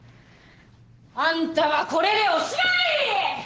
あんたはこれでおしまい！